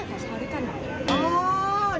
แขกเช้าด้วยกัน